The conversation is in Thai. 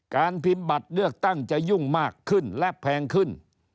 การพิมพ์บัตรเลือกตั้งจะยุ่งมากขึ้นและแพงขึ้น